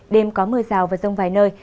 đêm có mưa rào và rông vài nơi